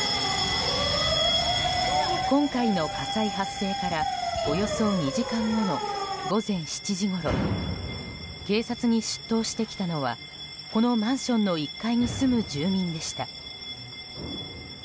今回の火災発生からおよそ２時間後の午前７時ごろ警察に出頭してきたのはこのマンションの１階に住む住民でした。